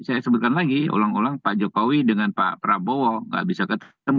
saya sebutkan lagi ulang ulang pak jokowi dengan pak prabowo nggak bisa ketemu